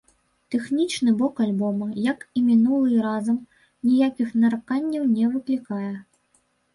Тэхнічны бок альбома, як і мінулым разам, ніякіх нараканняў не выклікае.